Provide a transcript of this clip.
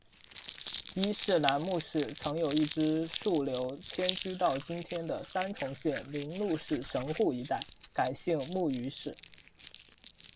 伊势楠木氏曾有一支庶流迁居到今天的三重县铃鹿市神户一带，改姓木俣氏。